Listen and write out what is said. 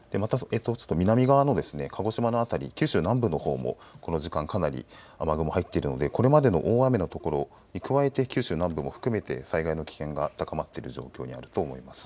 南側の鹿児島の辺り、九州南部のほうもこの時間かなり雨雲、入っているのでこれまでの大雨の所に加えて九州南部も含めて災害の危険が高まっている状況になると思います。